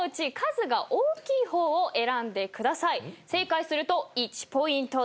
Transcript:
正解すると１ポイントです。